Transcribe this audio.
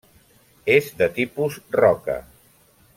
És de tipus roca.